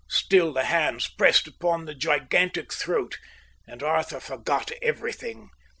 Still the hands pressed upon the gigantic throat, and Arthur forgot everything.